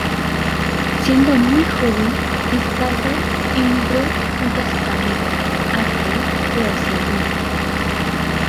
Siendo muy joven Cristaldo emigró junto a su familia al país de Oceanía.